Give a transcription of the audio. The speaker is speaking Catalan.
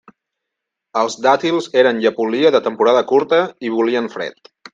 Els dàtils eren llepolia de temporada curta i volien fred.